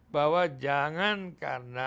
bahwa jangan karena